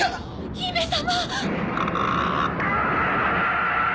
姫様！